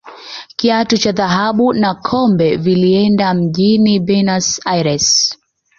kiatu cha dhahabu na kombe vilieenda mjini benus aires